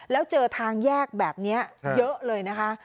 แล้วเจอทางแยกแบบนี้เยอะเลยนะคะ